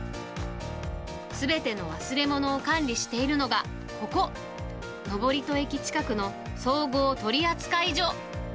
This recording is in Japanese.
すべての忘れ物を管理しているのが、ここ、登戸駅近くの総合取扱所。